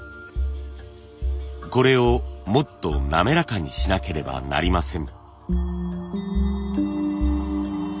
これをもっと滑らかにしなければなりません。